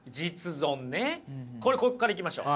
これここからいきましょう。